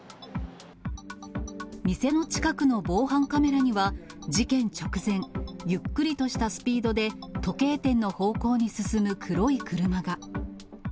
店の近くの防犯カメラには、事件直前、ゆっくりとしたスピードで、時計店の方向に進む黒い車が。